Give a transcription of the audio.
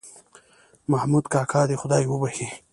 محمود کاکا دې خدای وبښي